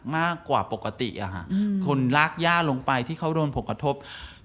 มากกว่าปกติคนลากย่าลงไปที่เขาโดนผลกระทบ